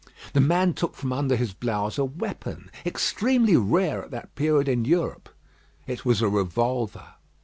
The man took from under his blouse a weapon extremely rare at that period in Europe. It was a revolver.